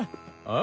あ！